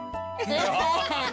アハハハハ！